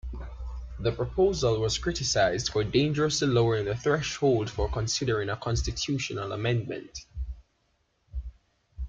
The proposal was criticized for dangerously lowering the threshold for considering a constitutional amendment.